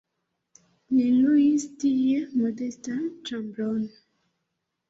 Li luis tie modestan ĉambron.